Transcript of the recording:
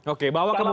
oke bawa kemudian